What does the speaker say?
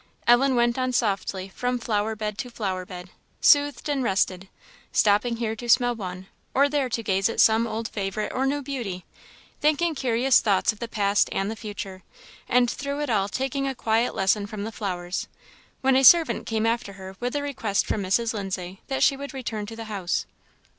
Ellen went on softly from flower bed to flower bed, soothed and rested, stopping here to smell one, or there to gaze at some old favourite or new beauty, thinking curious thoughts of the past and the future, and through it all taking a quiet lesson from the flowers, when a servant came after her with a request from Mrs. Lindsay that she would return to the house.